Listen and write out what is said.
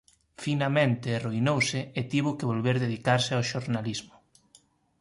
Finamente arruinouse e tivo que volver dedicarse ao xornalismo.